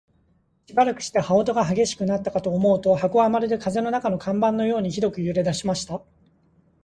しばらくして、羽音が烈しくなったかと思うと、箱はまるで風の中の看板のようにひどく揺れだしました。